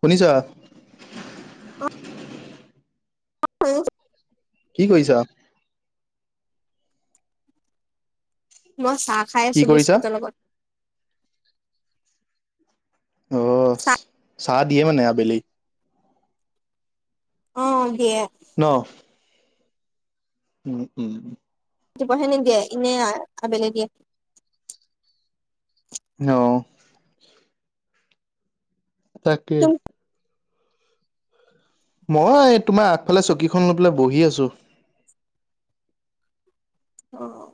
শুনিছা? অ', [unintelligible] কি কৰিছা? মই চাহ খাই কি আছো কৰিছা বিস্কুটৰ লগত। অঁ চাহ চাহ দিয়ে মানে আবেলি। অ' দিয়ে। ন উম, উম, উম। দিবহে নিদিয়ে এনেই আবেলি দিয়ে। অ'। তাকে। তুম মই তোমাৰ আগফালে চকীখন লৈ পেলাই বহি আছো। অ'।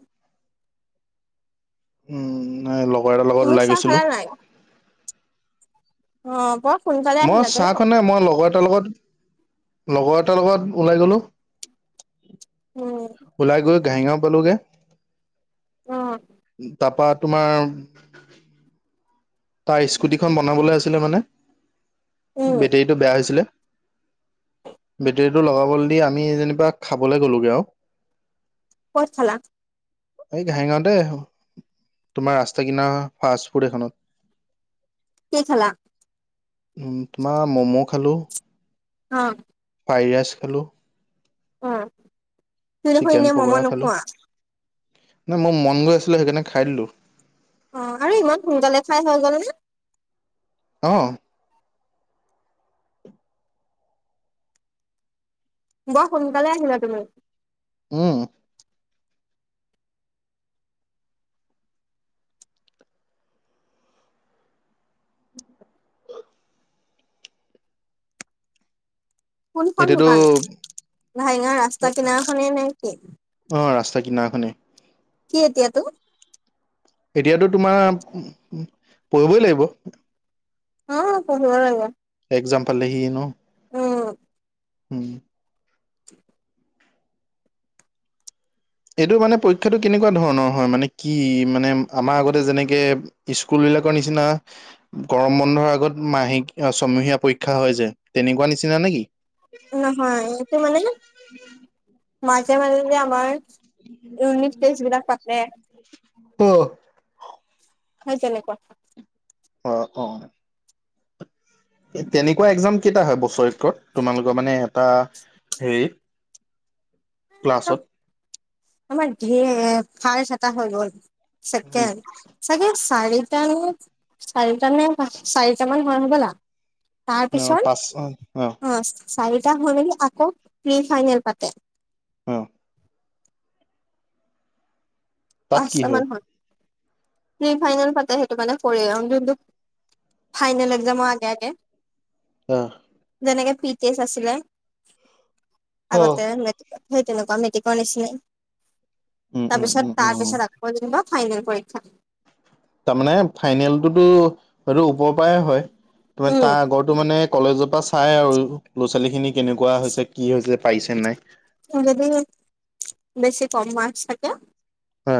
উম নাই লগৰ এটাৰ লগত তুমি ওলাই চাহ খালা গৈছিলো। নাই? অ' বৰ শুন কালে মই চাহ খোৱা নাই মই লগৰ এটাৰ লগত লগৰ এটাৰ লগত ওলাই গলো। উম। ওলাই গৈ ঘাহিঙাও পালোগে অ', তাৰপা তোমাৰ তাৰ স্কুটিখন বনাবলৈ আছিলে মানে উম, বেটেৰীটো বেয়া হৈছিলে। বেটেৰীটো লগাবলৈ দি আমি যেনিবা খাবলৈ গ'লোগৈ আৰু। কত খালা? এই ঘাঁইঙতে তোমাৰ ৰাস্তা কিনাৰ ফাষ্ট ফুড এখনত। কি খালা? তোমাৰ ম'ম' খালোঁ। অ'। ফ্ৰাই ৰাইছ খালো। উম তুমি দেখুন চিকেন এনে মম পকৰা খালোঁ। নোখোৱা? নাই মোৰ মন গৈ আছিলে সেইকাৰণে খাই দিলো। অ' আৰু ইমান সোনকালে খাই হৈ গল নে? অ'। বৰ সোনকালে আহিলা তুমি। উম। কোনখন এতিয়াতো দোকান লেঙা ৰাস্তা কিনাৰখনে নেকি? অঁ ৰাস্তাৰ কিনাৰখনে। কি এতিয়া তোৰ। এতিয়াতো তোমাৰ পঢ়িবই লাগিব। অ' পঢ়িব লাগিব। এক্সাম পালেহিয়ে ন? উম। উম [inaudible] এইটো মানে পৰীক্ষাটো কেনেকুৱা ধৰণৰ হয় মানে কি মানে আমাৰ আগতে যেনেকে স্কুল বিলাকৰ নিচিনা গৰম বন্ধৰ আগত মাহে ছমহীয়া পৰীক্ষা হয় যে তেনেকুৱা নিচিনা নে কি? নহয় এইটো মানে মাজে মাজে যে আমাৰ ইউনিট টেষ্ট বিলাক পাতে অ সেই তেনেকুৱা। অ' অঁ। তেনেকুৱা এক্সাম কেইটা হয় বছৰেকত তোমালোকৰ মানে এটা হেৰিত ক্লাছত? আমাৰ ধেৰ ফাৰ্ষ্ট এটা হৈ গ'ল উম, ছেকেণ্ড চাগে চাৰিটা নে চাৰিটা নে চাৰিটামান হয় হ'বলা। তাৰ অ পাঁচ পিছত অ অ অঁ চাৰিটা হৈ মেলি আকৌ প্ৰি ফাইনেল পাতে। অঁ। তাত কি পাঁচটা মান হয় প্ৰি ফাইনেল পাতে সেইটো মানে কৰে অঁ যোনটো ফাইনেল এক্সামৰ আগে আগে। আঁহ। যেনেকে প্ৰি টেষ্ট আছিলে আগতে মেট্ৰিকত সেই তেনেকুৱা মেট্ৰিকৰ নিচিনাই উম উম উম তাৰপিছত উম তাৰপিছত আকৌ যেনিবা ফাইনেল পৰীক্ষা তাৰমানে ফাইনেলটোতো সেইটো ওপৰৰ পৰাই হয়। তোমাৰ তাৰ উম আগৰটো মানে কলেজৰ পৰা চাই আৰু ল'ৰা ছোৱালী খিনি কেনেকুৱা হৈছে কি হৈছে পাৰিছে নাই। যদি বেছি কম মাৰ্ক্স থাকে, হা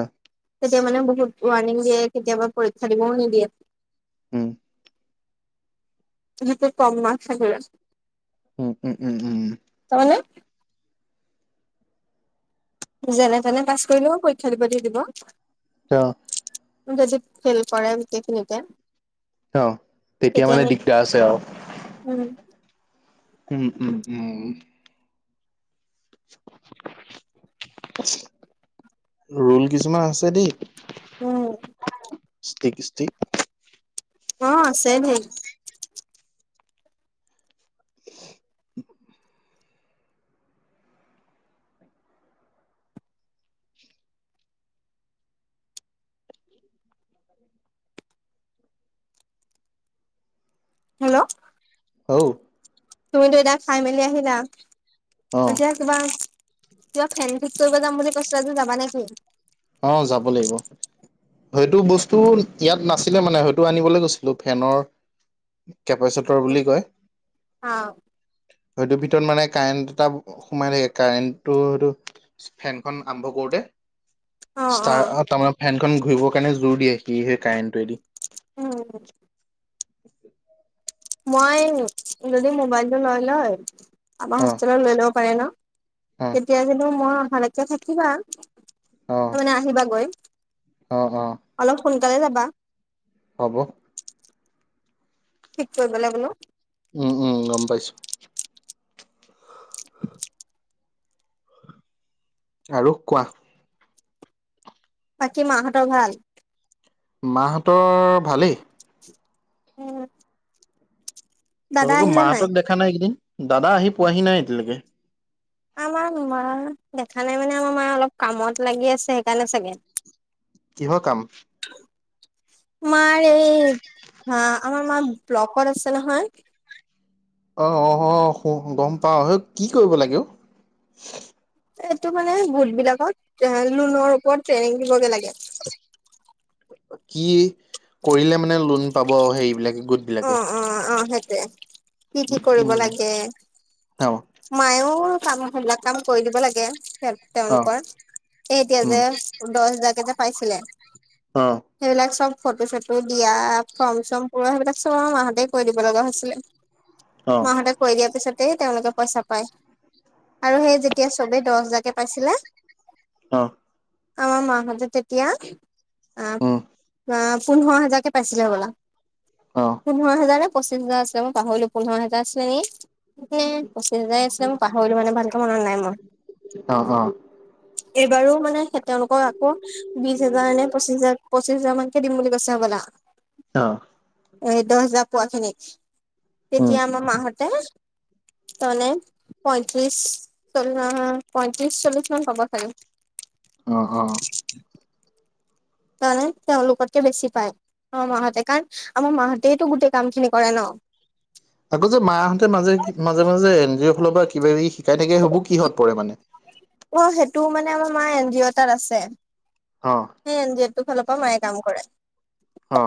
তেতিয়া মানে বহুত ৱাৰণিং দিয়ে কেতিয়াবা পৰীক্ষা দিবও নিদিয়ে। উম যিটোত কম মাৰ্ক্স থাকিলে উম উম উম উম। তাৰ মানে যেনে তেনে পাছ কৰিলেও পৰীক্ষা দিব দি দিব [unintelligible] যদি ফেল কৰে গোটেইখিনিতে অঁ, তেতিয়া মানে দিগদাৰ আছে উম আৰু। উম উম উম। ৰোল কিছুমান আছে যদি উম ষ্টিক ষ্টিক অঁ আছে ধেৰ। [inaudible] হেল্ল'! ঔ তুমিতো এতিয়া খাই মেলি আহিলা অ এতিয়া কিবা কিবা ফেন ঠিক কৰিব যাম বুলি কৈছিলা যে যাবা নে কি অ যাব লাগিব সেইটো বস্তু ইয়াত নাছিলে মানে হ টু আনিবলৈ গৈছিলো ফেনৰ কেপেচেতৰ বুলি কয় অ সেইতো ভিতৰত মানে কাৰেণ্টটো তাত সোমাই থাকে কাৰেণ্টটো হেটো ফেনখন আৰম্ভ কৰোতে ষ্টাৰ অ তাৰমানে ফেনখন ঘূৰিবৰ কাৰণে জোৰ দিয়ে সি সেই কাৰেণ্টোৱেদি উম মই যদি মোবাইলটো লৈ লয় আমাৰ অ হোষ্টেলত লৈ ল'ব পাৰে ন অ তেতিয়া কিন্তু মই অহালেকে থাকিবা অ নে আহিবা গৈ অ হঅ অলপ সোনকালে যাবা হ'ব ঠিক কৰিবলে বোলো উম উম গম পাইছোঁ [unintelligible] আৰু কোৱা বাকী মা হঁতৰ ভাল মা হঁতৰ ভালেই উম তোমালোকৰ মা হঁতক দেখা নাই এইকেইদিন দাদা আহি পোৱাহি নাই এতিয়ালেকে আমাৰ নুমা দেখা নাই মানে আমাৰ মাই অলপ কামত লাগি আছে সেইকাণে চাগে কিহৰ কাম মাৰ এই ভা আমাৰ মা ব্লকত আছে নহয় অ অ সু গম পাও হেই কি কৰিব লাগে অও এ তোমাৰ গোট বিলাকত এ লোনৰ ওপৰত ট্ৰেইনিং দিবগে লাগে কি কৰিলে মানে লোন পাব হেৰিবিলাকে গোট অ বিলাকে অ অ সেইতোয়ে কি কি কৰিব উম লাগে অ মায়েও কাম সেইবিলাক কাম কৰি দিব লাগে তেও অ তেওঁলোকৰ এ এতিয়া উম যে দহ হেজাৰকে যে পাইছিলে অ সেইবিলাক চব ফটো চটো দিয়া ফৰ্ম চৰ্ম পুৰা সেইবিলাক চব আমা মা হতে কৰি দিব লগা হৈছিলে অ মা হতে কৰি দিয়াৰ পিছতে তেওঁলোকে পইচা পায় আৰু সেই যেতিয়া চবে দহ হেজাৰকে পাইছিলে অহ আমাৰ মাহঁতে তেতিয়া আ উম আ পোন্ধৰ হাজাৰকে পাইছিলে হবলা অ পোন্ধৰ হেজাৰ নে পঁচিছ হেজাৰ আছিলে মই পাহৰিলো পোন্ধৰ হেজাৰ আছিলে নি নে পঁচিছ হাজাৰ আছিলেই মই পাহৰিলো মানে ভালকে মনত নাই মোৰ অ অ এইবাৰো মানে তেওঁলোকৰ আকৌ বিশ হেজাৰ নে পঁচিশ হেজাৰ পঁচিছ হাজাৰ মানকে দিম বুলি কৈছে হ'বলা অ এই দহ হেজাৰ পোৱা খিনিক উম তেতিয়া আমাৰ মাহতে তনে পইয়ত্ৰিশ চল্লিশ পইয়ত্ৰিশ চল্লিশ মান হ'ব। ছাগে। অৱ অৱ। তাৰমানে তেওঁলোকতকৈ বেছি পায় আমাৰ মাহঁতে কাৰণ আমাৰ মাহঁতেইতো গোটেই কাম খিনি কৰে ন। আকৌ যে মাহঁতে মাজে মাজে মাজে এন জি অ' ফালৰ পৰা কিবা কিবি শিকাই থাকে হ'বো কিহত পৰে মানে। অ সেইটোও মানে আমাৰ মা এন জি অ' তাত আছে। অ হে এনজিঅটো ফালৰ পৰাও মায়ে কাম কৰে। অ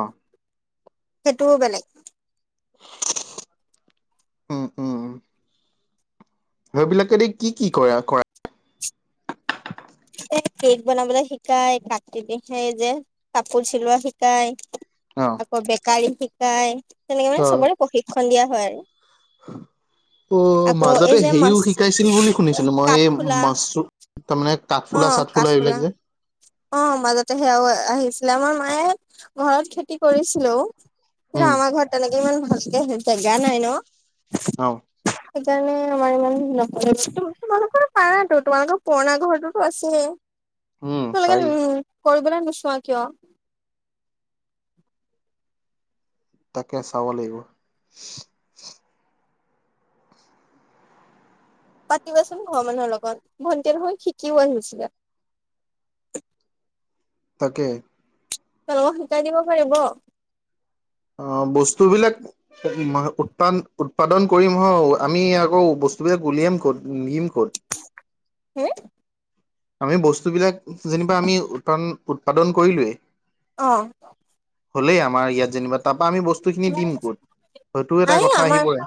সেইটোও বেলেগ। উম উম উ সেইবিলাকেদি কি কি কৰা কৰা! এ কেক বনাবলে শিকাই কাটি দি সেই যে কাপোৰ চিলোৱা শিকায়। অৱ। আকৌ বেকাৰী শিকাই তেনেকে মানে চবৰে প্ৰশিক্ষণ দিয়া হয় আৰু। অ আকৌ এই মাজতে যে মাছ হেৰিও শিকাইছিল বুলি শুনিছিলো মই এই কাঠফুলা মাছ তাৰমানে অ কাঠফুলা চাটফুলা কাঠফুলা এইবিলাক যে। অ মাজতে সেয়াও আহিছিলে আমাৰ মায়ে ঘৰত খেতি কৰিছিলো অ। সেইটো উম আমাৰ ঘৰত এনেকে ইমান ভালকে জেগা নাই ন। অ সেইকাৰণে আমাৰ ইমান নকৰে তোমালোকৰ পাৰা তোমালোকৰ পুৰণা ঘৰটো আছে। উম পাৰি। কৰিবলৈ নোচোৱা কিয়? তাকে চাব লাগিব। পাতিবাচোন ঘৰ মানুহৰ লগত, ভণ্টি নহয় শিকিও আহিছিলে। তাকে। তেওঁলোকক শিকাই দিব পাৰিব। অৱ বস্তু বিলাক। উৎপ উৎপাদন কৰিম হ আমি আকৌ বস্তুবিলাক উলিয়াম ক'ত নিম ক'ত? হে আমি বস্তুবিলাক যেনিবা আমি উৎপান উৎপাদন কৰিলোয়েই। অৱ। হ'লেই আমাৰ ইয়াত যেনিবা, তাৰপা আমি বস্তুখিনি দিম ক'ত হয়টো এটা আৰে কথা আহি আমাৰ পৰে।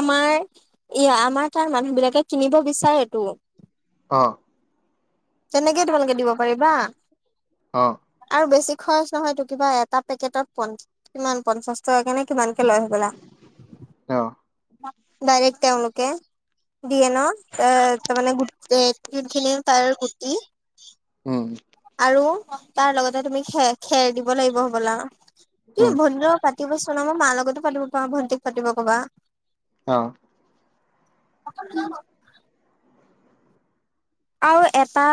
আমাৰ ই আমাৰ তাৰ মানুহ বিলাকে কিনিব বিচাৰেতো। অৱ। তেনেকে তোমালোকে দিব পাৰিবা। অৱ। আৰু বেছি খৰচ নহয়তটো কিবা এটা পেকেটত প কিমান পঞ্চাশ টকা কে নে কিমান কে লয় হবলা অৱ। ডাইৰেক তেওঁলোকে দিয়ে ন। এ তাৰ মানে [unintelligible] তাৰে গুটি উম। আৰু তাৰ লগতে তুমি খেৰ খেৰ দিব লাগিব হ'বলা, উম তুম ভনী লগত পাতি ব চোন আমাৰ মাৰ লগতো পাতিব পাৰা ভণ্টিক পাতি কবা। অৱ। [inaudible] আৰু এটা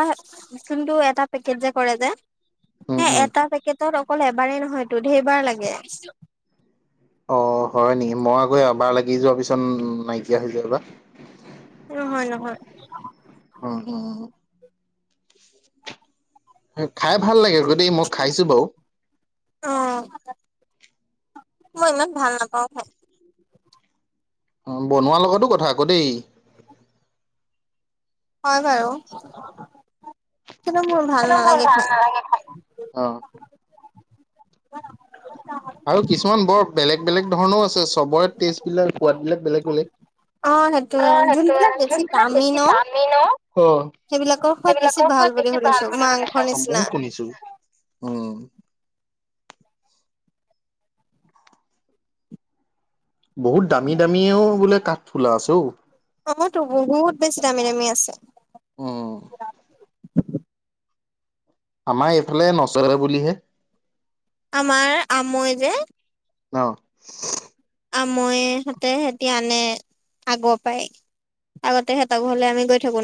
যোনটো এটা পেকেট যে কৰে যে উম সেই উম এটা কেটত অকল এবাৰেই নহয় ধধেইবাৰ লাগে। অ', হয় নেকি মই আকৌ এবাৰ লাগি যোৱাৰ পিছত নাইকিয়া হৈ যায়বা। নহয় - নহয় অ', অ', খাই ভাল লাগে গোটেই মই খাইছোঁ বাৰু অ', মই ইমান ভাল নাপাওঁ খাই অ', বনোৱা লগতো কথা আকৌ দেই। হয় বাৰু কিন্তু মোৰ ভাল কিন্তু মোৰ নালাগে ভাল খাই নালাগে খাই, অ', আৰু কিছুমান বৰ বেলেগ বেলেগ ধৰণৰ আছে, চবৰে টেষ্ট বিলাক সোৱাদবলাক বেলেগ-বেলেগ। অ', সেইটোয়ে সেইটোৱে যোনবিলাক বেছি যোনবিলাগ দামী বেছি ন দামি ন' অ', সেইবিলাকৰ সোৱাদ বেছি সেইবিলাক ভাল [unintelligible] বুলি বেছি শুনিছো ভাল বুলি মাংস শুনিছো, ময়ো নিচিনা শুনিছোঁ অ', বহুত দামী- দামীও বোলে, কাঠফুলা, আছে অ, অ'তো বহুত বেছি দামী দামী আছে। অ', আমাৰ, এইফালে, নচৰে বুলিহে আমাৰ আমৈ যে অ আমৈ হেঁতে হেঁতি আনে আগৰ পাই। আগতে সিহঁতক ঘৰলে, আমি গৈ থাকোঁ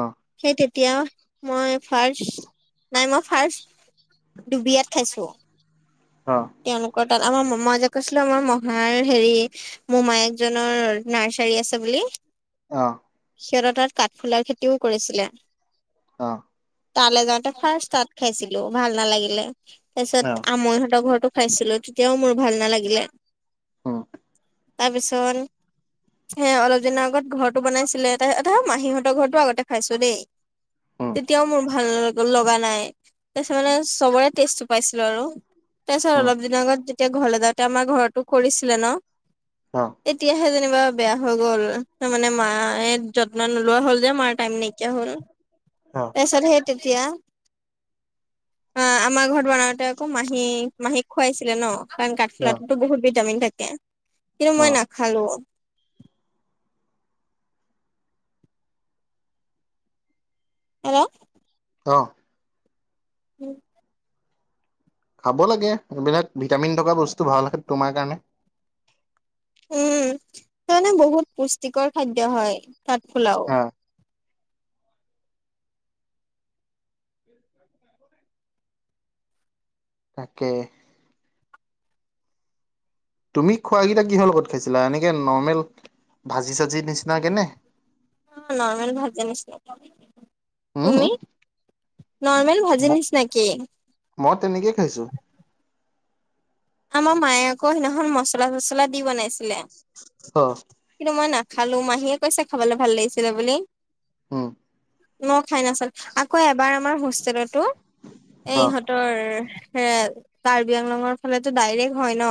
অ অ সেই তে এতিয়া মই ফাৰ্ষ্ট নাই, মই ফাৰ্ষ্ট ডুবিয়াত খাইছোঁ। অ', তেওঁলোকৰ তাত আমাৰ মই যে কৈছিলোঁ, আমাৰ মহাৰ হেৰি মোমায়েক জনৰ নাৰ্চাৰী আছে বুলি অ', সিহঁতৰ তাত কাঠফুলাৰ খেতিও কৰিছিলে। অ', তালৈ যাওঁতে ফাৰ্ষ্ট তাত খাইছিলোঁ, ভাল নালাগিলে তাৰপিছত অ আমৈ হঁতৰ ঘৰটো খাইছিলোঁ, তেতিয়াও মোৰ ভাল নালাগিলে। উম তাৰ পিছত হে অলপ দিনৰ আগত ঘৰটো বনাইছিলে, তাৰ মাহীহঁতৰ ঘৰটো আগতে খাইছো দেই উম তেতিয়াওঁ, মোৰ ভাল লগা নাই তাৰপিছত মানে চবৰে টেষ্টটো পাইছিলোঁ আৰু তাৰপিছত উম অলপ দিনৰ আগত যেতিয়া ঘৰলৈ যাওঁতে আমাৰ ঘৰতো কৰিছিলে ন' অ তেতিয়াহে যেন কনিবা বেয়া হৈ গ'ল ত' মানে মায়ে যত্না নোলোৱা হ'ল যে মাৰ টাইম নাইকিয়া হ'ল। অ তাৰপিছত সেইতেতিয়া আ, আমাৰ ঘৰত বনাওঁতে আকৌ মাহী - মাহীক খোৱাইছিলে ন'? কাৰণ অ কাঠফুলাটোতো বহুত ভিটামিন থাকে, কিন্তু অ মই নাখালো। হেল্ল' অ', উম, খাব লাগে এইবিলাক ভিটামিন থকা বস্তু ভাল, তোমাৰ কাৰণে। উম, তাৰ মানে বহুত পুষ্টিকৰ খাদ্য হয় কাঠফুলক অ তাকে। তুমি খোৱাকেইটা কিহৰ লগত খাইছিলা, এনেকে নৰ্মেল ভাজি-চাজি নিচিনাকেনে? নৰ্মেল ভাজি নিচিনা। উম, তুমি নৰ্মেল ভাজি ম নিচিনাকে। মই তেনেকেই খাইছো। আমাৰ মায়ে আকৌ সিদিনাখন মচলা -চচলা দি বনাইছিলে। অ'। কিন্তু মই নাখালো, মাহীয়ে কৈছে খাবলৈ ভাল লাগিছিলে বুলি। উ। ন খাই নাচান আকৌ এবাৰ আমাৰ হোষ্টেলতো এই অ'। ইহঁত তই হে কাৰ্বি আংলঙৰ ফালেতো ডাইৰেক্ট হয় ন!